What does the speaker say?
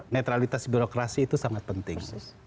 netralitas birokrasi itu sangat penting